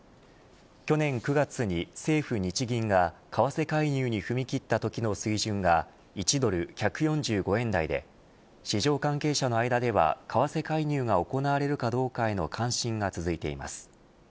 去年９月に政府、日銀が為替介入に踏み切ったときの水準が１ドル１４５円台で市場関係者の間では為替介入が行われるかどうかへの関心が続いています。